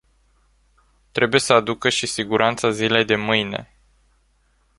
Trebuie să aducă și siguranța zilei de mâine.